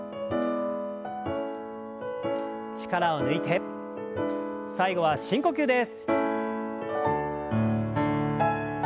力を抜いて最後は深呼吸です。